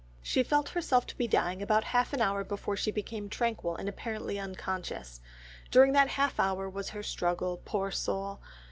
"... She felt herself to be dying about half an hour before she became tranquil and apparently unconscious. During that half hour was her struggle, poor soul!